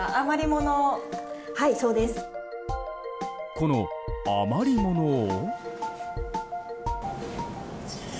この余り物を。